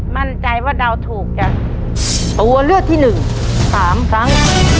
มั่นใจว่าเดาถูกจ้ะตัวเลือกที่หนึ่งสามครั้ง